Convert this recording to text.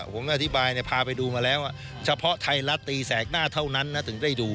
ผมอธิบายพาไปดูมาแล้วเฉพาะไทยรัฐตีแสกหน้าเท่านั้นนะถึงได้ดู